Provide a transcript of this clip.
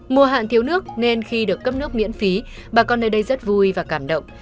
mùa hạn thiếu nước nên khi được cấp nước miễn phí bà con nơi đây rất vui và cảm động